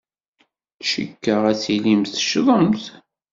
Cikkeɣ ad tilimt teccḍemt.